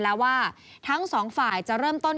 แล้วว่าทั้งสองฝ่ายจะเริ่มต้น